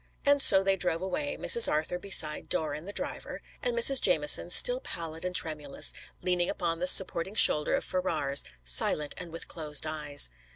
And so they drove away, Mrs. Arthur beside Doran, the driver; and Mrs. Jamieson, still pallid and tremulous, leaning upon the supporting shoulder of Ferrars, silent and with closed eyes.